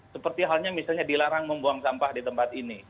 seperti misalnya halnya dilarang membuang sampah di tempat ini